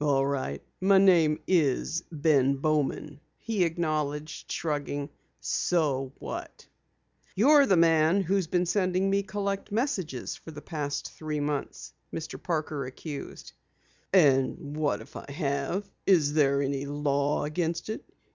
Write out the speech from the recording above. "All right, my name is Ben Bowman," he acknowledged, shrugging. "So what?" "You're the man who has been sending me collect messages for the past three months!" Mr. Parker accused. "And what if I have? Is there any law against it?